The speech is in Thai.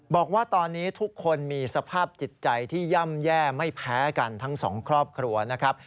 บอกว่าตอนนี้ทุกคนมีสภาพจิตใจที่ย่ำแย่ไม่แพ้กันทั้งสองครอบครัวนะครับ